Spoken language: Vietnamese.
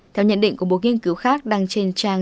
theo nhận định của một nghiên cứu khác đăng trên trang